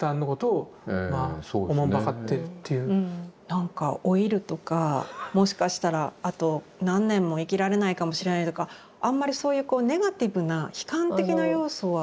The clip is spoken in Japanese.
なんか老いるとかもしかしたらあと何年も生きられないかもしれないとかあんまりそういうこうネガティブな悲観的な要素はなかった？